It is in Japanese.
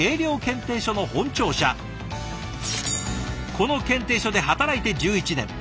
この検定所で働いて１１年。